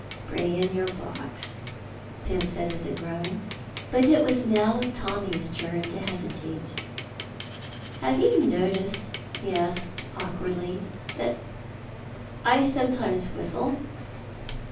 "Bring in your box," Pym said, with a groan. But it was now Tommy's turn to hesitate. "Have you noticed," he asked awkwardly, "that I sometimes whistle?"